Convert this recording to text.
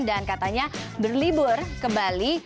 dan katanya berlibur ke bali